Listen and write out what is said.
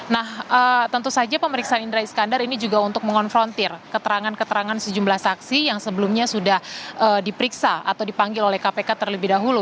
nah tentu saja pemeriksaan indra iskandar ini juga untuk mengonfrontir keterangan keterangan sejumlah saksi yang sebelumnya sudah diperiksa atau dipanggil oleh kpk terlebih dahulu